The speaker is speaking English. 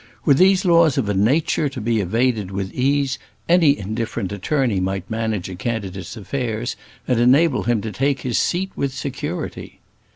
Were these laws of a nature to be evaded with ease, any indifferent attorney might manage a candidate's affairs and enable him to take his seat with security.